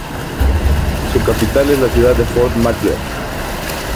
Su capital es la ciudad de Fort Macleod.